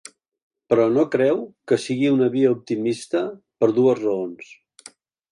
Però no creu que sigui una via optimista, per dues raons.